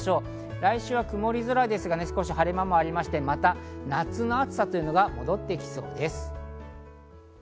来週は曇り空ですが少し晴れ間もあって、また夏の暑さが戻ってきそうです。